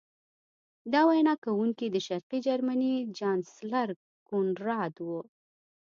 دا وینا کوونکی د شرقي جرمني چانسلر کونراډ و